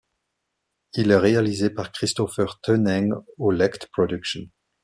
Il est réalisé par Christoffer Tönnäng, au Lect Production.